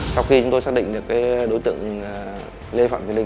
sau khi chúng tôi xác định được đối tượng lê phạm thùy linh